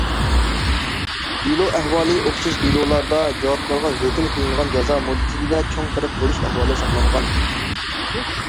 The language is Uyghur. دېلو ئەھۋالى ئوخشاش دېلولاردا، جاۋابكارغا ھۆكۈم قىلىنغان جازا مۇددىتىدە چوڭ پەرق بولۇش ئەھۋالى ساقلانغان.